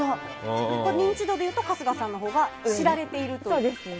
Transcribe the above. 認知度でいうと春日さんのほうが知られていると。